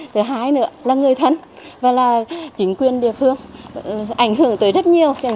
thứ hai nữa là người thân và là chính quyền địa phương ảnh hưởng tới rất nhiều